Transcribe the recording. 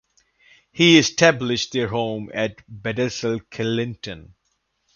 He established their home at Baddesley Clinton.